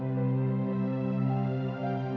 kakang mencintai dia kakang